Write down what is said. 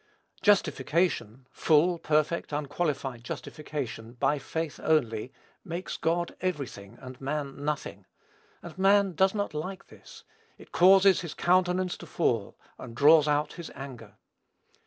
Justification full, perfect, unqualified justification, by faith only, makes God every thing, and man nothing: and man does not like this; it causes his countenance to fall, and draws out his anger.